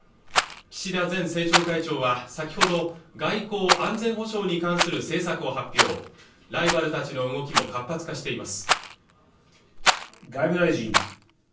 岸田前政調会長は先ほど外交安全保障に関する政策を発表ライバルたちの動きも活発化しています